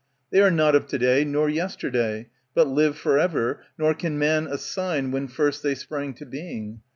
They are not of to day nor yesterday, But live for ever, nor can man assign When first they sprang to being.